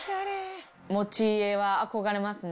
持ち家は憧れますね。